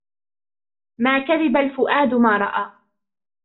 ما كذب الفؤاد ما رأى